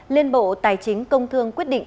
liên bộ tài chính công thương quyết định